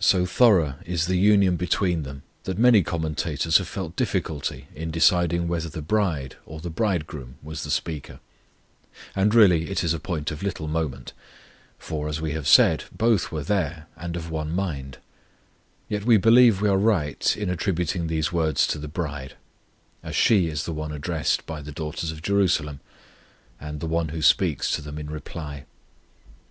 So thorough is the union between them that many commentators have felt difficulty in deciding whether the bride or the Bridegroom was the speaker, and really it is a point of little moment; for, as we have said, both were there, and of one mind; yet we believe we are right in attributing these words to the bride, as she is the one addressed by the daughters of Jerusalem, and the one who speaks to them in reply.